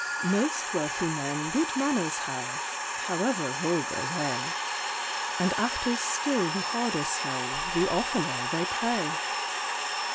Most wealthy men good manors have, however vulgar they; And actors still the harder slave the oftener they play.